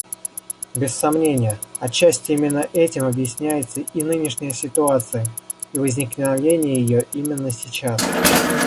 Без сомнения, отчасти именно этим объясняется и нынешняя ситуация, и возникновение ее именно сейчас.